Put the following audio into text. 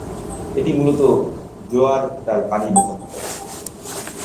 এটি মূলত জোয়ার ভাটার পানি বহন করে।